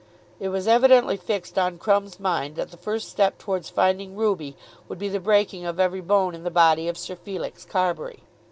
It was evidently fixed on Crumb's mind that the first step towards finding Ruby would be the breaking of every bone in the body of Sir Felix Carbury.